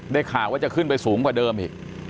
ข่าวว่าจะขึ้นไปสูงกว่าเดิมอีก